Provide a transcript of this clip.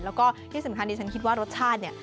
แล้วก็ที่สำคัญที่ฉันคิดว่ารสชาติเนี่ย